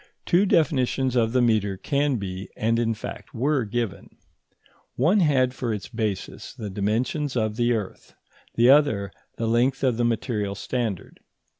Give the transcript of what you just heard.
Two definitions of the metre can be, and in fact were given. One had for its basis the dimensions of the earth, the other the length of the material standard.